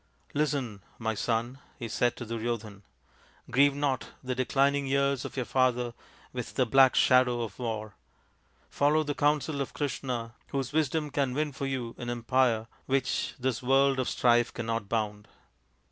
Listen, my son," he said to Duryodhan. " Grieve not the declining years of your father with the black shadow of war. Follow the counsel of Krishna, whose wisdom can win for you an empire which this world of strife cannot bound.